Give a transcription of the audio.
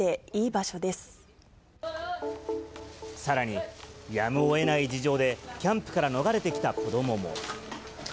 さらに、やむをえない事情で、キャンプから逃れてきた子どもも。